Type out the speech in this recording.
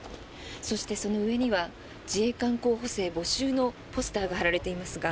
そして、その上には自衛官候補生募集のポスターが貼られていますが